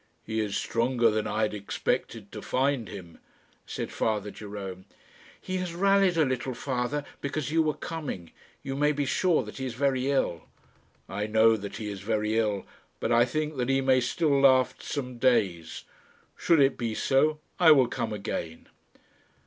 "He is stronger than I had expected to find him," said Father Jerome. "He has rallied a little, Father, because you were coming. You may be sure that he is very ill." "I know that he is very ill, but I think that he may still last some days. Should it be so, I will come again."